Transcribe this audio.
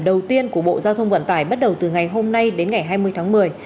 đầu tiên của bộ giao thông vận tải bắt đầu từ ngày hôm nay đến ngày hai mươi tháng một mươi